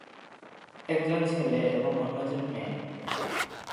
একজন ছেলে এবং অন্যজন মেয়ে।